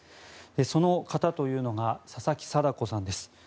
その方というのが佐々木禎子さんです。